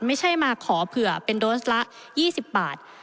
ไม่ใช่มาขอเผื่อเป็นโดสละ๒๐บาท